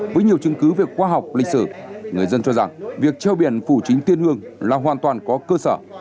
với nhiều chứng cứ về khoa học lịch sử người dân cho rằng việc treo biển phủ chính tiên hương là hoàn toàn có cơ sở